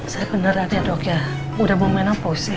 saya beneran ya dok ya udah mau main opos ya